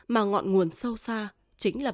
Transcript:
mà ngọn nguồn sâu xa chính là